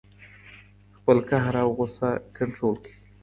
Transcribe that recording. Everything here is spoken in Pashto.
خپل قهر او غوسه کنټرول کړئ.